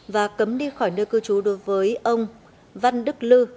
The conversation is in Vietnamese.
và cấm đi khỏi nơi cư trú đối với ông văn đức lư